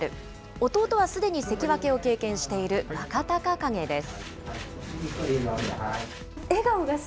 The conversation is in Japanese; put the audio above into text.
弟はすでに関脇を経験している若隆景です。